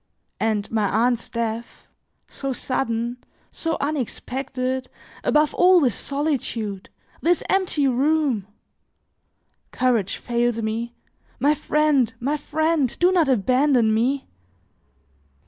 And my aunt's death, so sudden, so unexpected, above all this solitude! this empty room! Courage fails me; my friend, my friend, do not abandon me!"